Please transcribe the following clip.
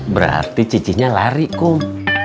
berarti cicinya lari kum